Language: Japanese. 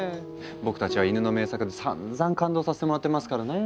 僕たちはイヌの名作でさんざん感動させてもらってますからね。